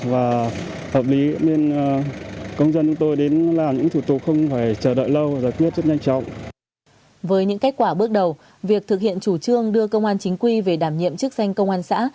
với những kết quả bước đầu việc thực hiện chủ trương đưa công an chính quy về đảm nhiệm chức danh công an xã